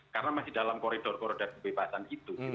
karena masih dalam koridor koridor kebebasan itu